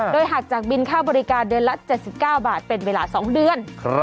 โดยหักจากบินค่าบริการเดือนละ๗๙บาทเป็นเวลา๒เดือน